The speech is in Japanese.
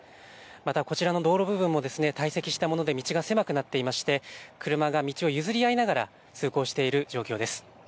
またこちらの道路部分も堆積したもので道が狭くなっていまして、車が道を譲り合いながら通行している状況です。